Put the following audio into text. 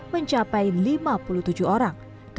mencapai lima puluh tujuh orang